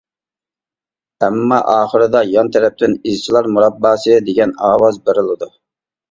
ئەمما ئاخىردا يان تەرەپتىن «ئىزچىلار مۇرابباسى» دېگەن ئاۋاز بېرىلىدۇ.